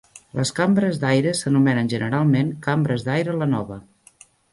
Les cambres d'aire s'anomenen generalment cambres d'aire Lanova.